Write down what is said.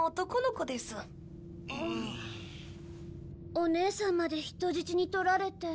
お姉さんまで人質に取られて。